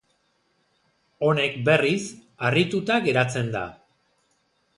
Honek berriz, harrituta geratzen da.